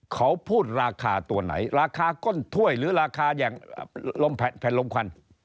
เขาพูดราคาตัวไหนราคาก้นถ้วยหรือราคาอย่างแผ่นลมควัน